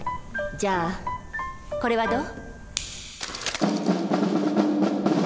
じゃあこれはどう？